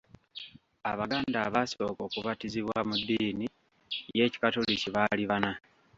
Abaganda abaasooka okubatizibwa mu ddiini y’ekikatoliki baali bana.